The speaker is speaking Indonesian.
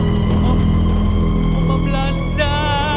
ini rumah siapa